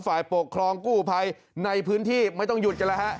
ฝ่ายปกครองกู้ภัยในพื้นที่ไม่ต้องหยุดกันแล้วฮะ